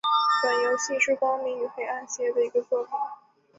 本游戏是光明与黑暗系列的一个作品。